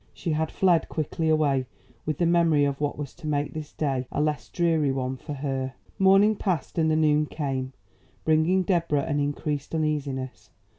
She had fled quickly away with the memory of what was to make this day a less dreary one for her. Morning passed and the noon came, bringing Deborah an increased uneasiness.